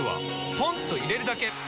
ポンと入れるだけ！